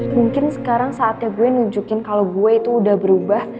mungkin sekarang saatnya gue nunjukin kalau gue itu udah berubah